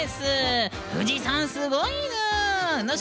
富士山、すごいぬん！